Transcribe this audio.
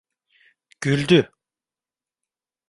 Güldü…